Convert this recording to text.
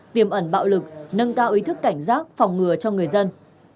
tiềm ẩn bạo lực nâng cao ý thức cảnh giác phòng ngừa cho người dân